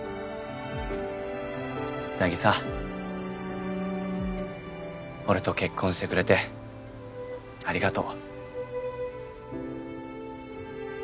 凪沙俺と結婚してくれてありがとう。